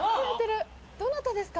どなたですか？